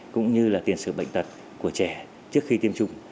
cũng như là tiền sự bệnh tật của trẻ trước khi tiêm chủng